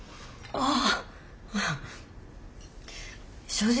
ああ。